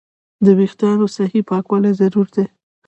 د وېښتیانو صحیح پاکوالی ضروري دی.